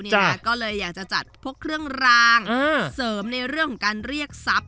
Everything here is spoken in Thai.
ก็เลยอยากจะจัดพวกเครื่องรางเสริมในเรื่องของการเรียกทรัพย